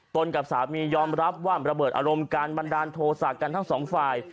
กับสามียอมรับว่าระเบิดอารมณ์การบันดาลโทษะกันทั้งสองฝ่าย